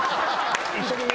「一緒に」